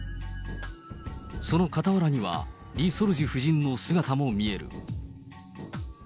その傍らには、リ・ソルジュ夫人の姿も見える。